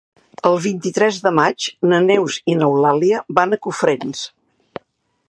El vint-i-tres de maig na Neus i n'Eulàlia van a Cofrents.